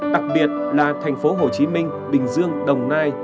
đặc biệt là thành phố hồ chí minh bình dương đồng nai